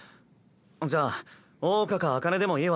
じゃあ桜花か紅葉でもいいわ。